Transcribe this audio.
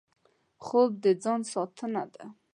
خوب د ځان ساتنه ده